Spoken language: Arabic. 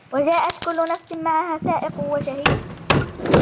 وجاءت كل نفس معها سائق وشهيد